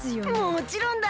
もちろんだ！